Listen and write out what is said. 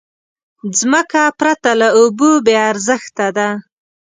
مځکه پرته له اوبو بېارزښته ده.